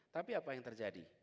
tapi apa yang terjadi